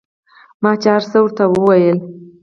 ما چې هرڅه ورته وويل.